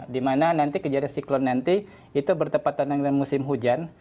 dimana nanti kejadian siklon nanti itu bertepatan dengan musim hujan